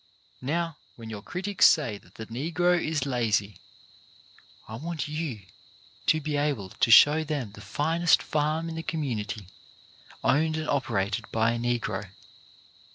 Now, when your critics say that the Negro is lazy, I want you to be able to show them the finest farm in the community owned and operated OBJECT LESSONS 235 by a Negro.